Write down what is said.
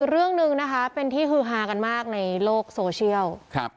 เรื่องหนึ่งนะคะเป็นที่ฮือฮากันมากในโลกโซเชียลครับ